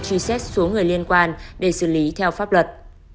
truy xét số người liên quan để xử lý theo pháp luật